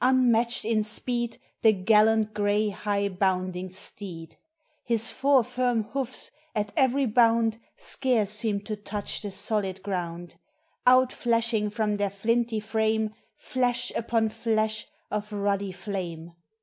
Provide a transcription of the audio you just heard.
unmatched in speed, The gallant gray, high bounding steed; His four firm hoofs, at every bound, Scarce seem to touch the solid ground, Outflashing from their flinty frame Flash upon flash of ruddy flame.